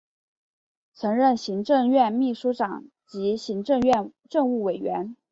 曾任行政院秘书长及行政院政务委员。